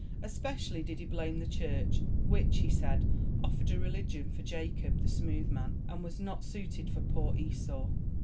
Especially did he blame the Church, which, he said, offered a religion for "Jacob, the smooth man," and was not suited for "poor Esau."